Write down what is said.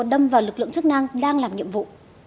đâm vào lực lượng chức năng đang làm nhiệm vụ